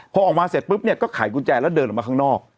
พอออกมาเสร็จปุ๊บเนี่ยก็ไขกุญแจแล้วเดินออกมาข้างนอก